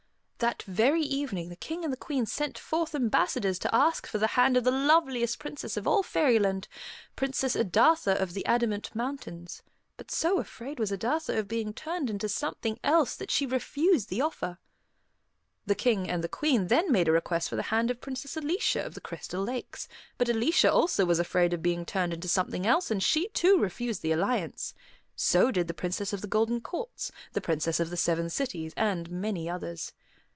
That very evening the King and the Queen sent forth ambassadors to ask for the hand of the loveliest princess of all Fairyland, Princess Adatha of the Adamant Mountains. But so afraid was Adatha of being turned into something else, that she refused the offer. The King and the Queen then made a request for the hand of Princess Alicia of the Crystal Lakes. But Alicia also was afraid of being turned into something else, and she too refused the alliance. So did the Princess of the Golden Coasts, the Princess of the Seven Cities, and many others.